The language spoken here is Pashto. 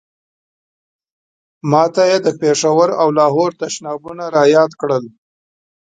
ما ته یې د پېښور او لاهور تشنابونه را یاد کړل.